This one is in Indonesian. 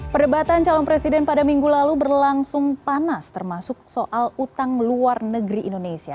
perdebatan calon presiden pada minggu lalu berlangsung panas termasuk soal utang luar negeri indonesia